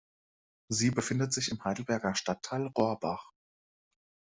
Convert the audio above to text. Sie befindet sich im Heidelberger Stadtteil Rohrbach.